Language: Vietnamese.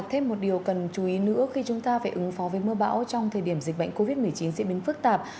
thêm một điều cần chú ý nữa khi chúng ta phải ứng phó với mưa bão trong thời điểm dịch bệnh covid một mươi chín diễn biến phức tạp